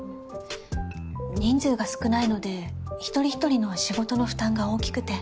人数が少ないので一人一人の仕事の負担が大きくて。